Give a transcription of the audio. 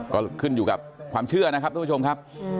ก็ขึ้นอยู่กับความเชื่อนะครับทุกผู้ชมครับ